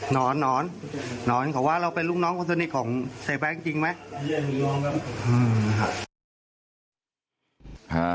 นอนหนอนหนอนเขาว่าเราเป็นลูกน้องคนสนิทของเสียแป้งจริงไหม